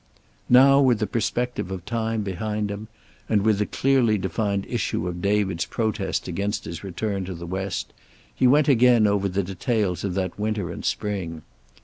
Now, with the perspective of time behind him, and with the clearly defined issue of David's protest against his return to the West, he went again over the details of that winter and spring.